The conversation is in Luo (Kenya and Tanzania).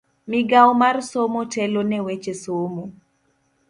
Migao mar somo telo ne weche somo.